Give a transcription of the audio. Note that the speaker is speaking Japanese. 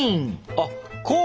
あっこう。